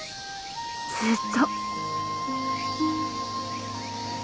ずーっと。